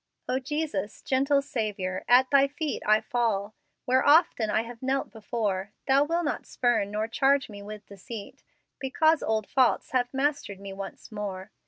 "O Jesus, gentle Saviour, at Thy feet I fall, where often I have knelt before; Thou wilt not spurn, nor charge me with deceit, Because old faults have mastered me once more.